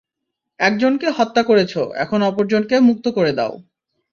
একজনকে হত্যা করেছ, এখন অপরজনকে মুক্ত করে দাও।